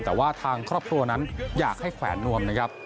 แต่ว่าทางครอบครัวนั้นอยากให้แขวนนวมนะครับ